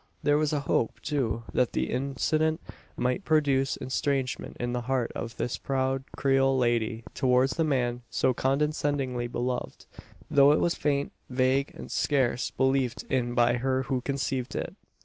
There was a hope, too, that the incident might produce estrangement in the heart of this proud Creole lady towards the man so condescendingly beloved; though it was faint, vague, scarce believed in by her who conceived it.